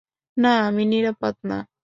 না, আমি নিরাপদ না।